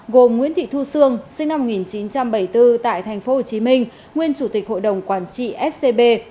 gồm nguyễn thị thu sương sinh năm một nghìn chín trăm bảy mươi bốn tại tp hcm nguyên chủ tịch hội đồng quản trị scb